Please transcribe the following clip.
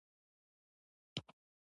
هدايتکار ئې Kevin Reynolds دے